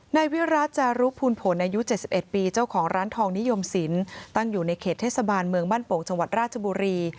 นายวิราชจารุภูลผลอายุ๗๑ปีเจ้าของร้านทองนิยมศิลป์ตั้งอยู่ในเขตเทศบาลเมืองบ้านโป่งจังหวัดราชบุรี